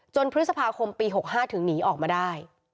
พฤษภาคมปี๖๕ถึงหนีออกมาได้